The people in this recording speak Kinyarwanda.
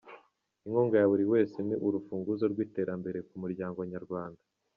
Inkunga ya buri wese ni urufunguzo rw’iterambere ku muryango nyarwanda.